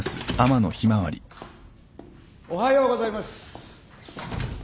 ・おはようございます。